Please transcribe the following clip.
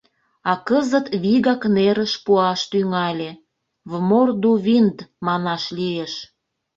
А кызыт вигак нерыш пуаш тӱҥале — «вморду-винд» манаш лиеш.